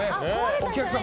お客さん